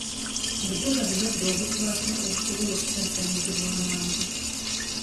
Ebola bulwadde obukwata obusobola okusaasaanyizibwa amangu.